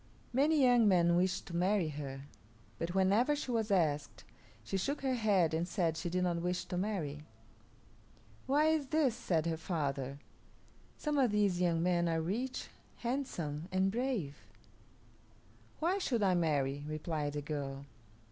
Many young men wished to marry her, but whenever she was asked she shook her head and said she did not wish to marry. "Why is this?" said her father. "Some of these young men are rich, handsome, and brave." "Why should I marry?" replied the girl.